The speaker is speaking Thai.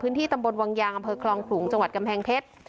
ตำบลวังยางอำเภอคลองขลุงจังหวัดกำแพงเพชร